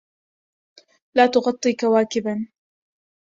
لاتغطّي كواكباً